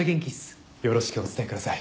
よろしくお伝えください。